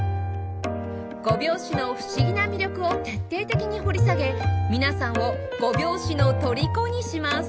５拍子の不思議な魅力を徹底的に掘り下げ皆さんを５拍子の虜にします！